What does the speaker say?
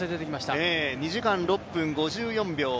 ２時間６分５４秒